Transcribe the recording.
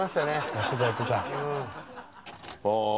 やってたやってた。